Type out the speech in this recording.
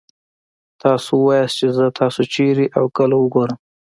تاسو ووايئ چې زه تاسو چېرې او کله وګورم.